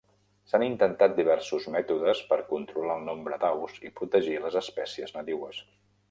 S'han intentat diversos mètodes per controlar el nombre d'aus i protegir les espècies nadiues.